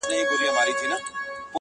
څوک چی دلته ښه دي هلته به لوړېږي-